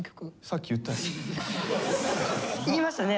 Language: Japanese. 言いましたね。